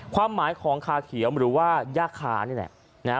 ความหมายของคาเขียวหรือว่าย่าคานี่แหละนะฮะ